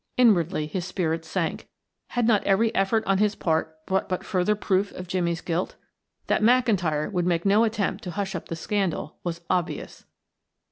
Inwardly his spirits sank; had not every effort on his part brought but further proof of Jimmie's guilt? That McIntyre would make no attempt to hush up the scandal was obvious.